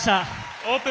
オープン